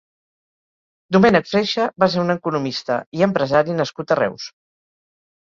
Domènec Freixa va ser un economista i empresari nascut a Reus.